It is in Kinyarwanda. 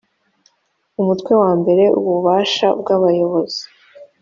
umutwe wa mbere ububasha bwabayobozi